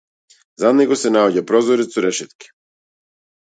Зад него се наоѓа прозорец со решетки.